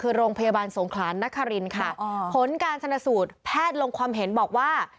คือโรงพยาบาลสงขลานนครินค่ะผลการชนะสูตรแพทย์ลงความเห็นบอกว่า